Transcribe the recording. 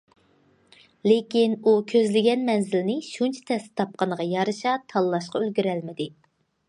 لېكىن، ئۇ كۆزلىگەن مەنزىلنى شۇنچە تەستە تاپقىنىغا يارىشا تاللاشقا ئۈلگۈرەلمىدى.